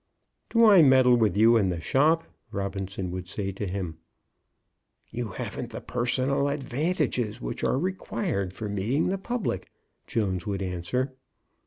"Do I meddle with you in the shop?" Robinson would say to him. "You haven't the personal advantages which are required for meeting the public," Jones would answer.